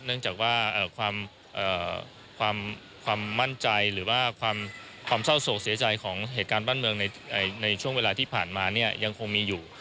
เนื่องจากว่าความมั่นใจหรือว่าความเศร้าโศกเสียใจของเหตุการณ์บ้านเมืองในช่วงเวลาที่ผ่านมาเนี่ยยังคงมีอยู่